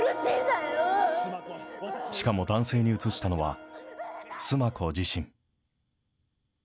しかも男性にうつしたのは、須磨子自身。